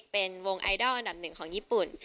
เป็นวงไอดอลอันดับหนึ่งของญี่ปุ่น